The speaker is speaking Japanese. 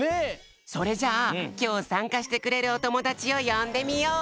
それじゃあきょうさんかしてくれるおともだちをよんでみよう！